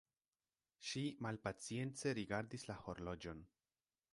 Ŝi malpacience rigardis la horloĝon.